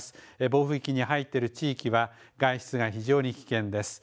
暴風域に入っている地域は外出が非常に危険です。